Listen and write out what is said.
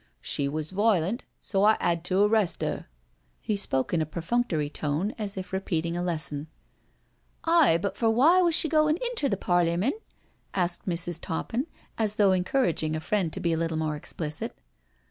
She was violent, so I *ad to arrest *er." He spoke in a perfunctory tone, as if repeating a lesson. " Aye, but for why was she goin* inter th^ Parly men?" asked Mrs. Toppin, as though encouraging a friend to be a little more explicit.